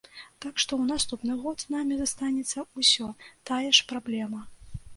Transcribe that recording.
Так што ў наступны год з намі застанецца ўсё тая ж праблема.